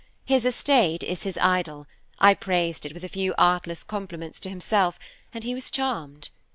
His estate is his idol; I praised it with a few artless compliments to himself, and he was charmed.